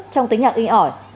trong tính nhạc in ỏi